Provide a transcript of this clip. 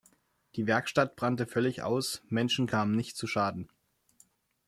Die Werkstatt brannte völlig aus, Menschen kamen nicht zu Schaden.